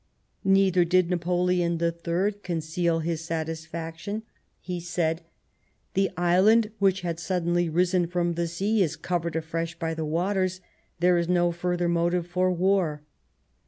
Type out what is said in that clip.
Neither did Napoleon III conceal his satisfaction. He said :" The island which had suddenly risen from the sea is covered afresh by the waters ; there is no further motive for war."